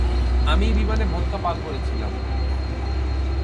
আমিই বিমানে ভদকা পান করেছিলাম।